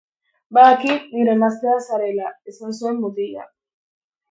Badakit nire emaztea zarela, esan zuen mutilak.